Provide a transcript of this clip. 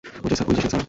ওইযে সে, স্যার!